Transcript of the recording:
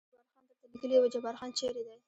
جبار خان درته لیکلي و، جبار خان چېرې دی؟